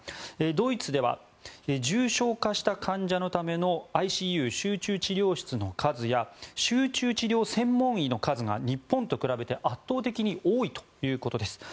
ドイツでは重症化した患者のためのＩＣＵ・集中治療室の数や集中治療専門医の数が日本に比べて圧倒的に多いということです。